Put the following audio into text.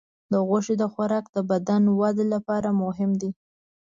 د غوښې خوراک د بدن د وده لپاره مهم دی.